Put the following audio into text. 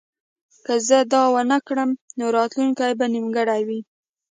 که زه دا ونه کړم نو راتلونکی به نیمګړی وي